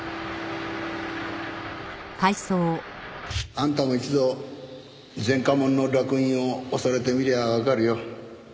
あんたも一度前科者の烙印を押されてみりゃわかるよ。